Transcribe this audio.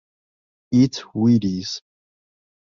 Eat Wheaties!